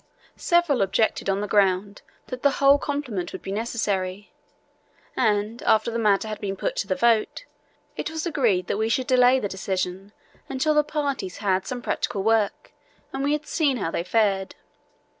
Several objected on the ground that the whole complement would be necessary, and, after the matter had been put to the vote, it was agreed that we should delay the decision until the parties had some practical work and we had seen how they fared.